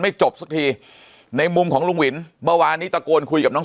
จบสักทีในมุมของลุงหวินเมื่อวานนี้ตะโกนคุยกับน้อง